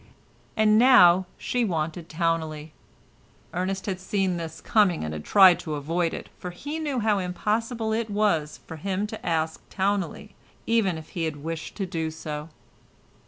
And now she wanted Towneley. Ernest had seen this coming and had tried to avoid it, for he knew how impossible it was for him to ask Towneley, even if he had wished to do so.